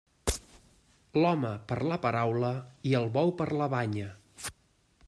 L'home per la paraula i el bou per la banya.